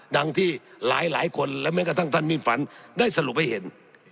ที่หลายคนและแม้กระทั่งท่านมิ่งฝันได้สรุปให้เห็น